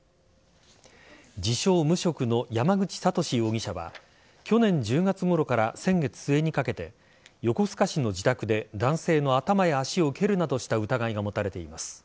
自称・無職の山口悟志容疑者は去年１０月ごろから先月末にかけて横須賀市の自宅で男性の頭や足を蹴るなどした疑いが持たれています。